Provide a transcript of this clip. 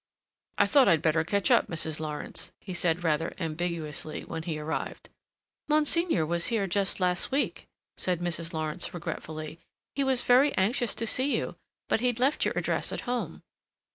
"I thought I'd better catch up, Mrs. Lawrence," he said rather ambiguously when he arrived. "Monsignor was here just last week," said Mrs. Lawrence regretfully. "He was very anxious to see you, but he'd left your address at home."